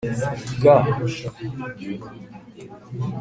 g